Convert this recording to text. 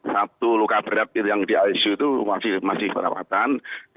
satu luka berat yang di icu itu masih perawatan